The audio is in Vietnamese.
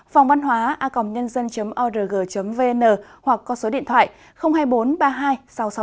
phòng bán đăng ký kênh của chúng tôi